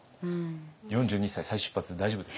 ４２歳再出発大丈夫ですか？